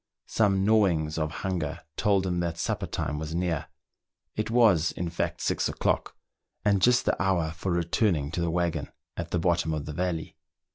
Some gnawings of hunger told him that supper time was near ; it was, in fact, six o'clock, and just the hour for returning to the waggon at the bottom of the valley.